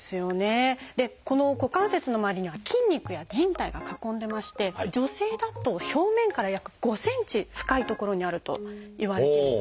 でこの股関節の周りには筋肉やじん帯が囲んでまして女性だと表面から約５センチ深い所にあるといわれています。